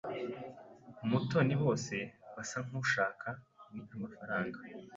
Mutoni bose basa nkushaka ni amafaranga.